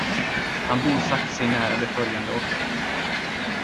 Han bosatte sig nära de följande offren.